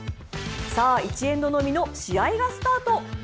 さあ、１エンドのみの試合がスタート！